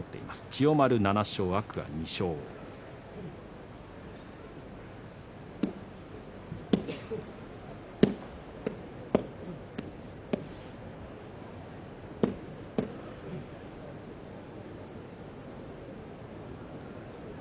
千代丸７勝、天空海の２勝です。